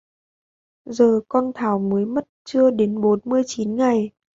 giờ con thảo mới mất chưa đến bốn mươi chín ngày